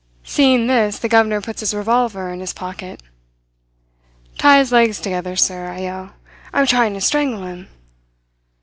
Seeing this the governor puts his revolver in his pocket. "'Tie his legs together, sir,' I yell. 'I'm trying to strangle him.'